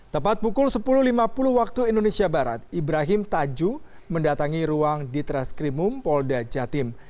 tepat pukul sepuluh lima puluh waktu indonesia barat ibrahim tajuh mendatangi ruang ditreskrimum polda jatim